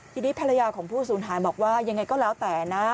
ทีนี้ภรรยาของผู้สูญหายบอกว่ายังไงก็แล้วแต่นะ